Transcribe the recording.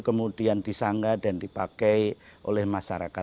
kemudian disanggah dan dipakai oleh masyarakat